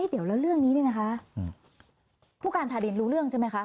เดี๋ยวแล้วเรื่องนี้เนี่ยนะคะผู้การทารินรู้เรื่องใช่ไหมคะ